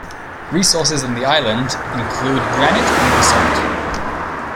Resources on the island include granite and basalt.